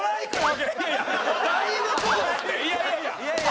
いやいやいや。